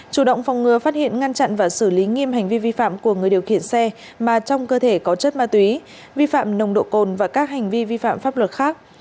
chủ động phòng ngừa phát hiện ngăn chặn và xử lý nghiêm hành vi vi phạm của người điều khiển xe mà trong cơ thể có chất ma túy vi phạm nồng độ cồn và các hành vi vi phạm pháp luật khác